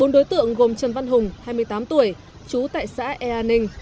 bốn đối tượng gồm trần văn hùng hai mươi tám tuổi trú tại xã ea ninh